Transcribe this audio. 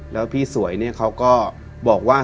แล้วพี่สวยเนี่ยเขาก็บอกว่า